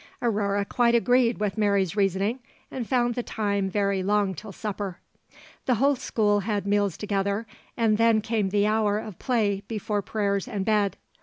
Aurore quite agreed with Mary's reasoning, and found the time very long till supper. The whole school had meals together, and then came the hour of play before prayers and bed.